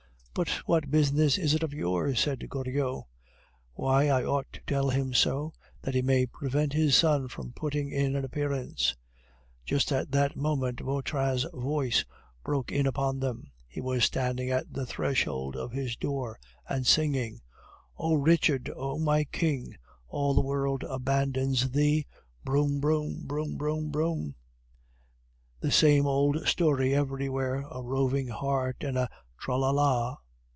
"But what business is it of yours?" said Goriot. "Why, I ought to tell him so, that he may prevent his son from putting in an appearance " Just at that moment Vautrin's voice broke in upon them; he was standing at the threshold of his door and singing: "Oh! Richard, oh my king! All the world abandons thee! Broum! broum! broum! broum! broum! The same old story everywhere, A roving heart and a... tra la la."